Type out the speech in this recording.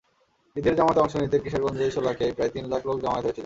ঈদের জামাতে অংশ নিতে কিশোরগঞ্জের শোলাকিয়ায় প্রায় তিন লাখ লোক জমায়েত হয়েছিলেন।